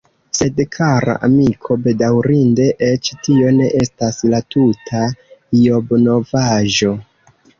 Sed, kara amiko, bedaŭrinde eĉ tio ne estas la tuta Ijobnovaĵo.